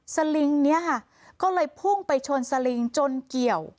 สลิงนี้ค่ะก็เลยพุ่งไปชนสลิงจนเกี่ยว